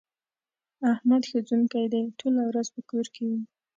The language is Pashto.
احمد ښځنوکی دی؛ ټوله ورځ په کور کې وي.